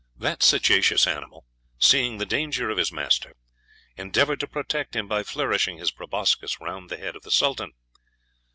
That sagacious animal, seeing the danger of his master, endeavoured to protect him by flourishing his proboscis round the head of the Sultan.